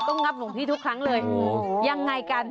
งับหลวงพี่ทุกครั้งเลยยังไงกัน